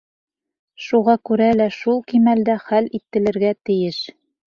Шуға күрә лә ул шул кимәлдә хәл ителергә тейеш.